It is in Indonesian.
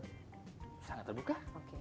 ya kita juga membuka